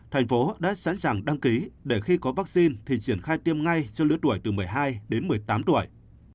thành phố đã sẵn sàng đăng ký để khi có vaccine thì triển khai tiêm ngay cho lứa tuổi từ một mươi hai đến một mươi tám tuổi